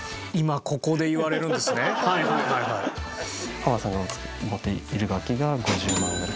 ハマさんの持っている楽器が５０万ぐらい。